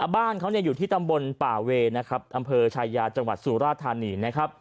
บ้านเขาอยู่ที่ตำบลป่าเวอำเภอชายาจังหวัดสุรทานี